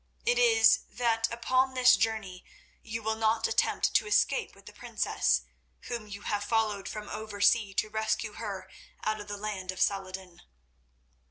"It is that upon this journey you will not attempt to escape with the princess, whom you have followed from over sea to rescue her out of the hand of Salah ed din."